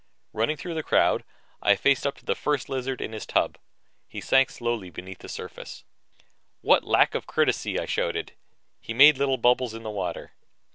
Running through the crowd, I faced up to the First Lizard in his tub. He sank slowly beneath the surface. "What lack of courtesy!" I shouted. He made little bubbles in the water.